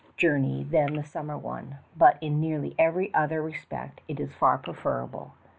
223 journey than the summer one, but in nearly every other respect it is far preferable.